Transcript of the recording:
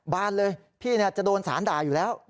บานเลยพี่จะโดนสารด่าอยู่แล้ว